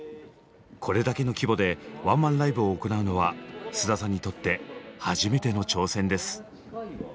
これだけの規模でワンマンライブを行うのは菅田さんにとって初めての挑戦です。